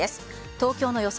東京の予想